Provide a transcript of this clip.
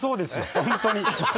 本当に！